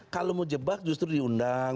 kalau mau jebak justru diundang